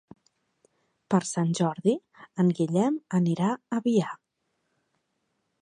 Per Sant Jordi en Guillem anirà a Biar.